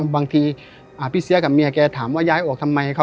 บางทีพี่เสียกับเมียแกถามว่าย้ายออกทำไม